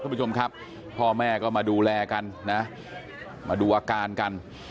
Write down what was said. คุณผู้ชมครับพ่อแม่ก็มาดูแลกันนะมาดูอาการกัน